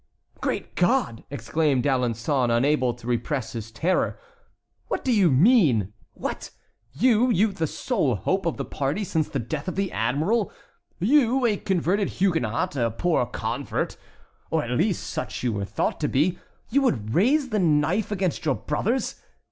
"Great God!" exclaimed D'Alençon unable to repress his terror, "what do you mean? What! you, you, the sole hope of the party since the death of the admiral; you, a converted Huguenot, a poor convert, or at least such you were thought to be, you would raise the knife against your brothers!